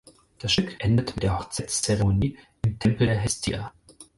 Das Stück endet mit der Hochzeitszeremonie im Tempel der Hestia.